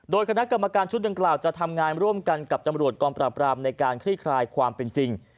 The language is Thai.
โดยคณะกรรมการชุดดังกล่าวจะทำงานร่วมกันกับตำรวจกองปราบรามในการคลี่คลายความเป็นจริง